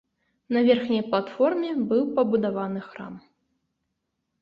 На верхняй платформе быў пабудаваны храм.